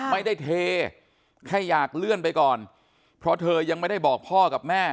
ไม่ได้เทแค่อยากเลื่อนไปก่อนเพราะเธอยังไม่ได้บอกพ่อกับแม่